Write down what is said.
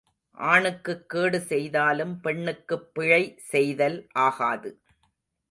ஆணுக்குக் கேடு செய்தாலும் பெண்ணுக்குப் பிழை செய்தல் ஆகாது.